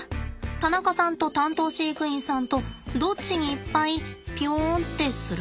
田中さんと担当飼育員さんとどっちにいっぱいぴょんってする？